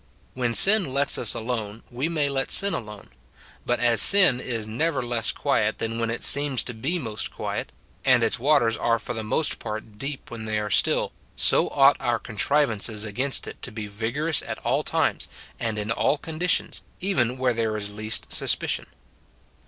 When sin lets us alone we may let sin alone; but as sin is never less quiet than when it seems to be most quiet, and its waters are for the most part deep when they are still, so ought our contrivances against it to be vigorous at all times and in all conditions, even where there is least suspicion.